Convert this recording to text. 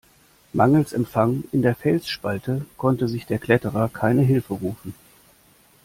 Mangels Empfang in der Felsspalte konnte sich der Kletterer keine Hilfe rufen.